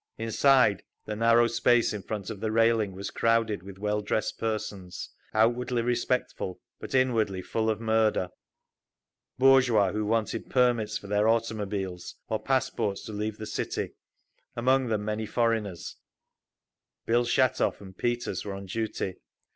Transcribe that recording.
Inside, the narrow space in front of the railing was crowded with well dressed persons, outwardly respectful but inwardly full of murder—bourgeois who wanted permits for their automobiles, or passports to leave the city, among them many foreigners…. Bill Shatov and Peters were on duty.